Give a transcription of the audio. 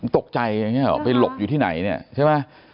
ตกใจอย่างนี้หรอไปหลบอยู่ที่ไหนเนี่ยใช่ไหม